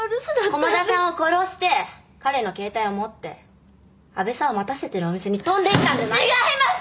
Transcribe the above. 駒田さんを殺して彼の携帯を持って安部さんを待たせているお店に飛んでいったんじゃないの？違います！